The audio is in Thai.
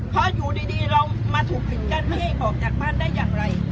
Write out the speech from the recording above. เพราะอยู่ดีเรามาถูกปิดกั้นไม่ให้ออกจากบ้านได้อย่างไร